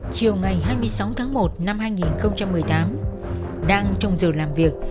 chiều ngày hai mươi sáu tháng một năm hai nghìn một mươi tám đang trong giờ làm việc